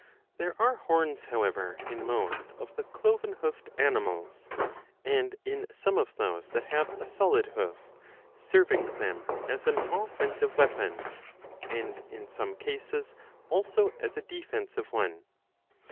There are horns, however, in most of the cloven hoofed animals, and in some^ of those that have a solid hoof, serving them as an offensive weapon, and in some cases 663 a. iii. 2. 6i also as a defensive one.